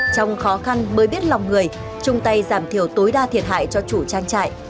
trong khó khăn mới biết lòng người chung tay giảm thiểu tối đa thiệt hại cho chủ trang trại